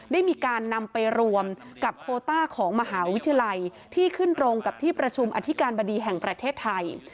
ได้มีการนำไปรวมกับโคต้าของมหาวิทยาลัยที่ขึ้นตรงกับที่ประชุมอธิการบดีแห่งประเทศไทย